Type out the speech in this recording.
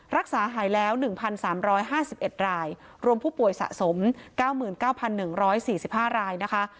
รักษาหายแล้ว๑๓๕๑รายรวมผู้ป่วยสะสม๙๙๑๔๕รายนะคะ